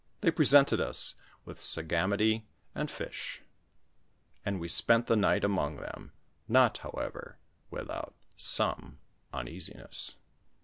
They presented us with sagamity and fish, and we spent the night among them, not, however, without some uneasiness.